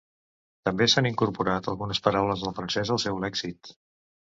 També s'han incorporat algunes paraules del francès al seu lèxic.